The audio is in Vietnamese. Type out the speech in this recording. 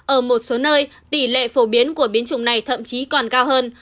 ở một số nơi tỷ lệ phổ biến của biến chủng này thậm chí còn cao hơn